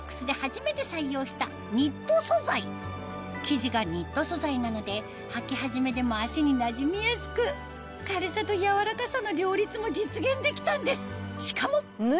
生地がニット素材なので履き始めでも足になじみやすく軽さと柔らかさの両立も実現できたんです！